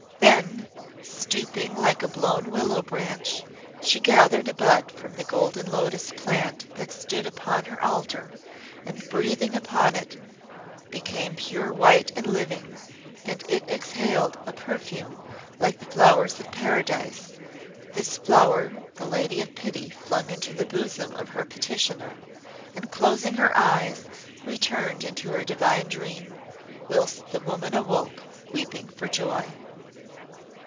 Then stooping like a blown willow branch, she gathered a bud from the golden lotos plant that stood upon her altar, and breathing upon it it became pure white and living, and it exhaled a perfume like the flowers of Paradise, This flower the Lady of Pity flung into the bosom of her petitioner, and closing Her eyes returned into Her divine dream, whilst the woman awoke, weeping for joy.